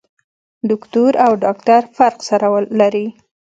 دوکتور او ډاکټر فرق سره لري.